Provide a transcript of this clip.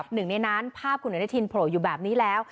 หนึ่งในนั้นภาพคุณอนุทินโผล่อยู่แบบนี้แล้ว